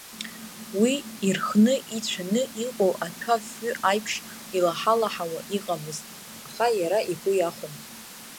Уи, ирхны, ицәаны иҟоу аҭәа афҩы аиԥш илаҳа-лаҳауа иҟамызт, аха иара игәы иахәон.